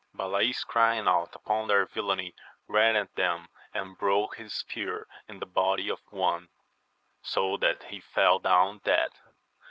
Balays crying out upon their villainy, ran at them and broke his spear in the body of one, so that he fell down dead.